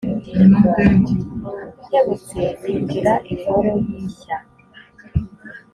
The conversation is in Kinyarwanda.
Nkebutse ninjira ingoro y’ishya